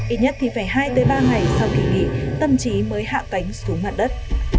ít nhất thì phải hai ba ngày sau kỳ nghỉ tâm trí mới hạ cánh xuống mạng đất